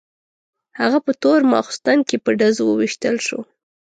هغه په تور ماخستن کې په ډزو وویشتل شو.